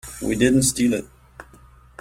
We didn't steal it.